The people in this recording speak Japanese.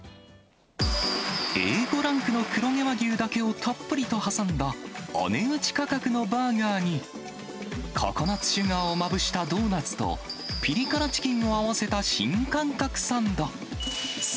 Ａ５ランクの黒毛和牛だけをたっぷりと挟んだ、お値打ち価格のバーガーに、ココナッツシュガーをまぶしたドーナツと、ピリ辛チキンを合わせた新感覚サンド。